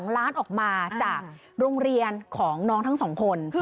๒ล้านออกมาจากโรงเรียนของน้องทั้ง๒คน